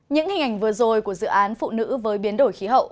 những hình ảnh vừa rồi của dự án phụ nữ với biến đổi khí hậu